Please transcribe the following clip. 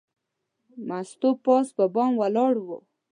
مستو پاس په بام ولاړه وه.